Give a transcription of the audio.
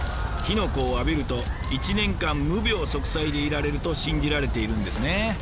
火の粉を浴びると１年間無病息災でいられると信じられているんですね。